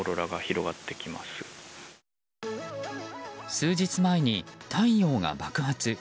数日前に太陽が爆発。